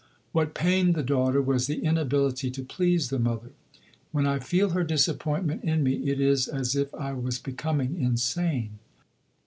What pained the daughter was the inability to please the mother. "When I feel her disappointment in me, it is as if I was becoming insane."